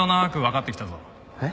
えっ？